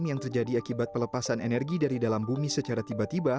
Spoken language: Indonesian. yang terjadi akibat pelepasan energi dari dalam bumi secara tiba tiba